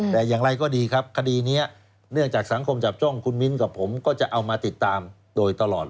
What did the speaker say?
แต่อย่างไรก็ดีครับคดีนี้เนื่องจากสังคมจับจ้องคุณมิ้นกับผมก็จะเอามาติดตามโดยตลอด